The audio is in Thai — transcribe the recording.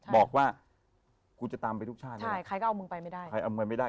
บอกว่าคุณจะตามไปทุกชาติเลย